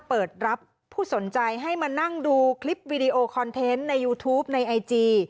เปิดรับผู้สนใจให้มานั่งดูคลิปวีดีโอคอนเทนต์ในยูทูปในไอจี